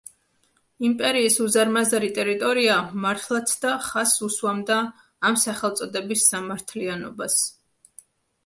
იმპერიის უზარმაზარი ტერიტორია მართლაცდა ხაზს უსვამდა ამ სახელწოდების სამართლიანობას.